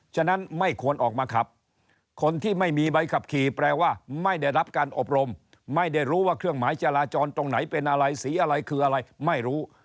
ฉะนั้นไม่ควรออกมาขับคนที่ไม่มีใบขับขี่แปลว่าไม่ได้รับการอบรมไม่ได้รู้ว่าเครื่องหมายจราจรตรงไหนเป็นอะไรสีอะไรคืออะไรไม่รู้